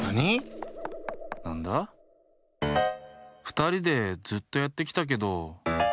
ふたりでずっとやってきたけど。